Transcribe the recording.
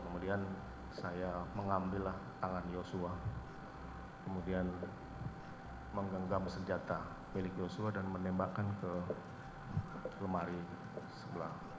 kemudian saya mengambillah tangan yosua kemudian menggenggam senjata milik joshua dan menembakkan ke lemari sebelah